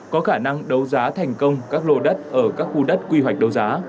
có khả năng đấu giá thành công các lô đất ở các khu đất quy hoạch đấu giá